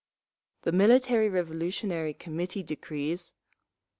The Military Revolutionary Committee decrees: 1.